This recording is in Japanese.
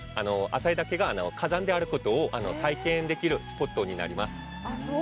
旭岳が火山であることを体験できるスポットになります。